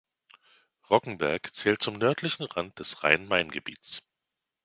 Rockenberg zählt zum nördlichen Rand des Rhein-Main-Gebiets.